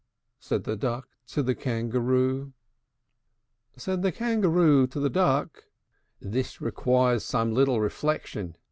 Said the Duck to the Kangaroo. III. Said the Kangaroo to the Duck, "This requires some little reflection.